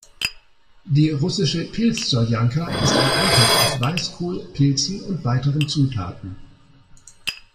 Die russische Pilz-Soljanka ist ein Eintopf aus Weißkohl, Pilzen und weiteren Zutaten.